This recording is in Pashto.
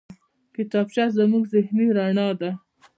کتابچه زموږ ذهني رڼا ده